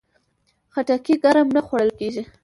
خټکی ګرم نه خوړل کېږي.